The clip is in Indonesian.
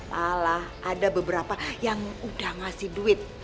malah ada beberapa yang udah ngasih duit